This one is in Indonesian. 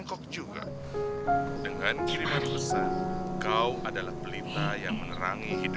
oh emang kebelet kan pak